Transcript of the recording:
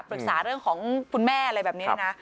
ปรึกษาเรื่องของคุณแม่อะไรแบบนี้นะ